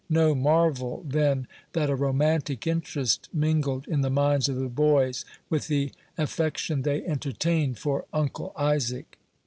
No marvel, then, that a romantic interest mingled in the minds of the boys with the affection they entertained for Uncle Isaac.